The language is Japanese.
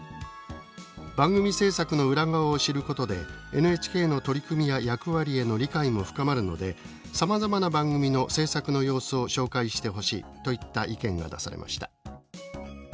「番組制作の裏側を知ることでＮＨＫの取り組みや役割への理解も深まるのでさまざまな番組の制作の様子を紹介してほしい」といった意見が出されました。